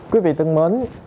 quý vị thân mến